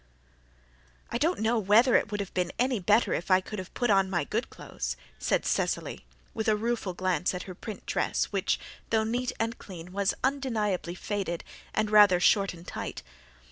"I don't know whether it would have been any better if I could have put on my good clothes," said Cecily, with a rueful glance at her print dress, which, though neat and clean, was undeniably faded and RATHER short and tight.